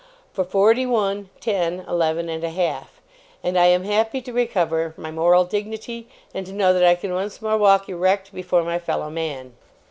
for forty one, ten, eleven and a half, and I am happy to recover my moral dignity, and to know that I can once more walk erect before my fellow man!